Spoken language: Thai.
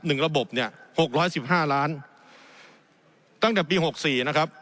ระบบเนี่ยหกร้อยสิบห้าล้านตั้งแต่ปีหกสี่นะครับ